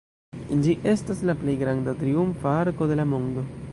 Ĝi estas la plej granda triumfa arko de la mondo.